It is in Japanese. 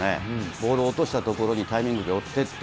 ボールを落とした所にタイミングよく追ってって